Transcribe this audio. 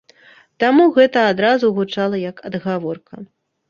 Таму гэта адразу гучала як адгаворка.